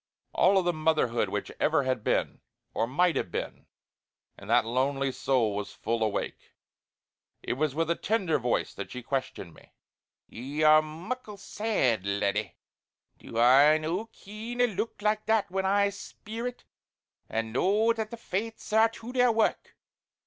All the motherhood which ever had been, or might have been, in that lonely soul was full awake. It was with a tender voice that she questioned me: "Ye are muckle sad laddie. Do I no ken a look like that when I speer it, and know that the Fates are to their wark.